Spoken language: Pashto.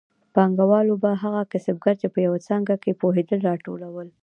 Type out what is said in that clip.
پانګوالو به هغه کسبګر چې په یوه څانګه کې پوهېدل راټولول